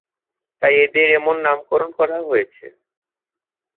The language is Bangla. তাই এদের এমন নামকরণ করা হয়েছে।